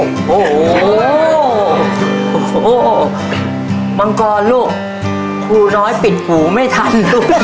ละครับมังกรลุกครูน้อยปิดหูไม่ทัน